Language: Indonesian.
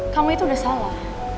kamu itu udah salah